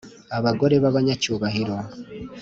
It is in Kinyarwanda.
Abagore b abanyacyubahiro